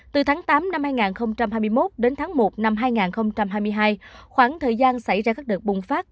từ tháng tám năm hai nghìn hai mươi một đến tháng một năm hai nghìn hai mươi hai khoảng thời gian xảy ra các đợt bùng phát